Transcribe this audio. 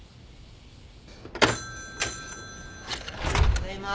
・ただいまー。